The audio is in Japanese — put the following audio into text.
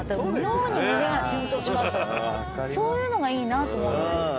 そういうのがいいなと思います。